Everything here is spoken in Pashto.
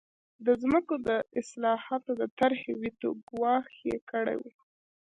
د ځمکو د اصلاحاتو د طرحې ویټو ګواښ یې کړی و.